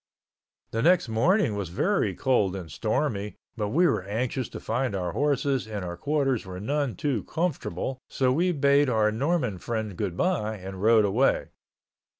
The next morning was very cold and stormy, but we were anxious to find our horses and our quarters were none too comfortable, so we bade our Mormon friend goodbye and rode away.